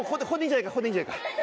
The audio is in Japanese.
ここでいいんじゃないか